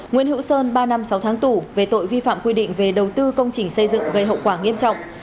nguyễn hữu sơn ba năm sáu tháng tù về tội vi phạm quy định về đầu tư công trình xây dựng gây hậu quả nghiêm trọng